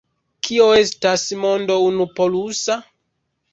Kio estas mondo unupolusa?